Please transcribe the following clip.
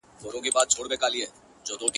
ښه دی چي جواب له خپله ځانه سره یو سمه٫